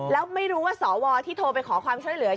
แล้วไม่รู้ว่าสวที่โทรไปขอความช่วยเหลือ